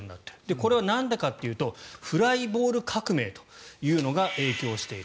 これはなんでかというとフライボール革命というのが影響している。